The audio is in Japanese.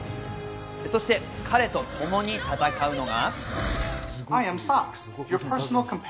そして彼とともに戦うのが。